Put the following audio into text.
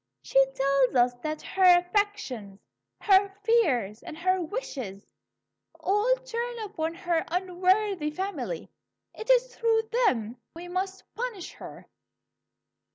She tells us that her affections, her fears, and her wishes, all turn upon her unworthy family. It is through them we must punish her.